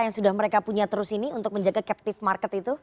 yang sudah mereka punya terus ini untuk menjaga captive market itu